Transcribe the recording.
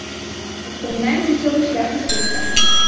Успамінаем жыццёвы шлях артыста.